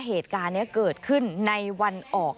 เหตุการณ์นี้เกิดขึ้นในวันออก